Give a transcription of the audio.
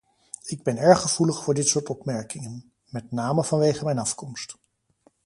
Ik ben erg gevoelig voor dit soort opmerkingen, met name vanwege mijn afkomst.